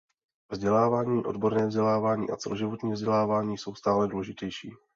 Vzdělávání, odborné vzdělávání a celoživotní vzdělávání jsou stále důležitější.